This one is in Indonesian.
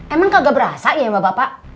emang kagak berasa ya bapak bapak